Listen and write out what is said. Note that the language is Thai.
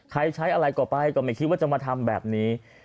ใช้อะไรก็ไปก็ไม่คิดว่าจะมาทำแบบนี้